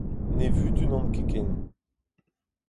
Ne vutunan ket ken